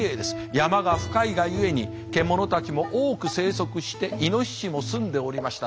山が深いがゆえに獣たちも多く生息してイノシシも住んでおりました。